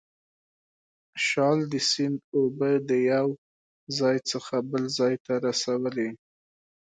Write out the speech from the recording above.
شال د سیند اوبه د یو ځای څخه بل ځای ته رسولې.